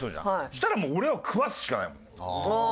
そしたらもう俺は食わすしかないもん。